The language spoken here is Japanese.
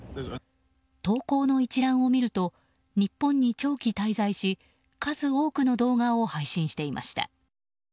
投稿の一覧を見ると日本に長期滞在し数多くの動画を配信していました。